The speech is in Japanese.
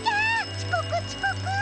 ちこくちこく！」。